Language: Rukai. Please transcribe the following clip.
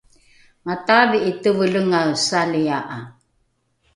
mataadhi’i tevelengae salia’a